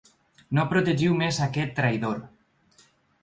No protegiu més aquest traïdor.